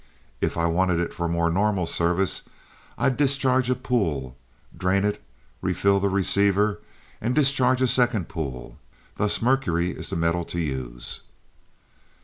If I wanted it for more normal service, I'd discharge a pool, drain it, refill the receiver, and discharge a second pool. Thus, mercury is the metal to use.